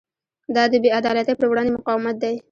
دا د بې عدالتۍ پر وړاندې مقاومت دی.